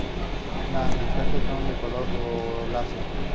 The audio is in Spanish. Las anteras son de color violáceo.